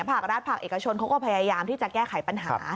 ภาครัฐภาคเอกชนเขาก็พยายามที่จะแก้ไขปัญหา